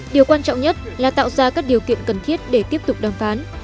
điều quan trọng nhất là tạo ra các điều kiện cần thiết để tiếp tục đàm phán